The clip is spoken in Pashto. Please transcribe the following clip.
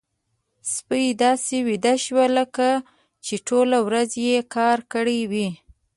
سپی داسې ویده شو لکه چې ټولې ورځې يې کار کړی وي.